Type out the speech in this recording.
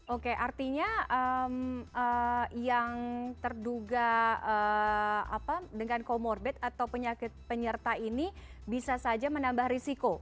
oke artinya yang terduga dengan comorbid atau penyakit penyerta ini bisa saja menambah risiko